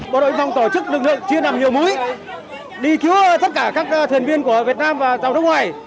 bộ đội phòng tổ chức lực lượng chia nằm nhiều mũi đi cứu tất cả các thuyền viên của việt nam và tàu nước ngoài